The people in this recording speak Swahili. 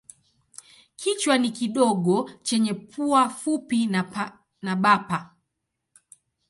Kichwa ni kidogo chenye pua fupi na bapa.